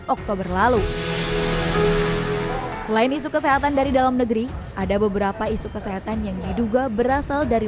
oktober lalu selain isu kesehatan dari dalam negeri ada beberapa isu kesehatan yang diduga berasal dari